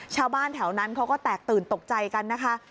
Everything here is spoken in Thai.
ชาวบ้านแถวนั้นเขาก็แตกตื่นตกใจกันนะคะ